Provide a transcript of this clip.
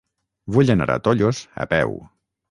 Vull anar a Tollos a peu.